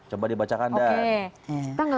coba dibacakan dan